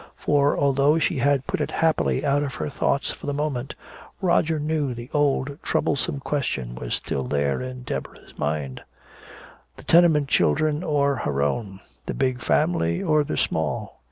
For although she had put it happily out of her thoughts for the moment, Roger knew the old troublesome question was still there in Deborah's mind. The tenement children or her own, the big family or the small?